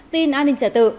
tin an ninh trả tự